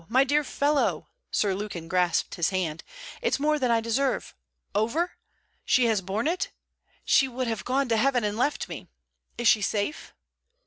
my dear fellow!' Sir Lukin grasped his hand. 'It's more than I deserve. Over? She has borne it! She would have gone to heaven and left me! Is she safe?'